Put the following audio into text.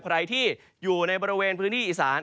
ใครที่อยู่ในบริเวณพื้นที่อีสาน